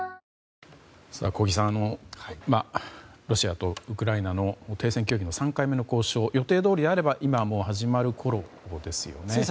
ロシアとウクライナの停戦協議の３回目の交渉予定どおりであれば今始まるころですよね。